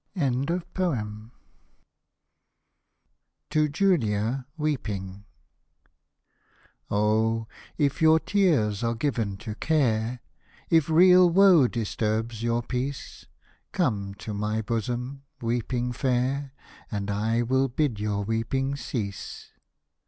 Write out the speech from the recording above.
Hosted by Google TO JULIA 63 TO JULIA WEEPING Oh ! if your tears are given to care, If real woe disturbs your peace, Come to my bosom, weeping fair ! And I will bid your weeping cease.